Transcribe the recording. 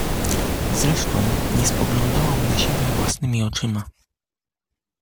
Zresztą nie spoglądałam na siebie własnymi oczyma.